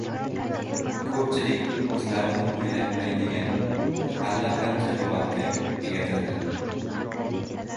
Ko‘pchilik o‘zlarini o‘ylatmaydigan allaqancha lug‘atga egadirlar;